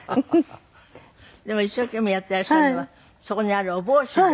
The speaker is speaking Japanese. でも一生懸命やってらっしゃるのはそこにあるお帽子で。